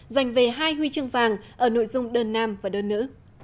giành về hai huy chương vàng ở nội dung đơn nam và đơn nữ